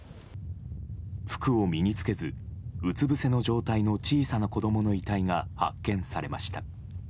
服を身に着けずうつぶせの状態の小さな子供の遺体が発見されました。